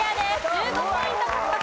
１５ポイント獲得。